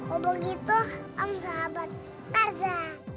oh begitu om sahabat karja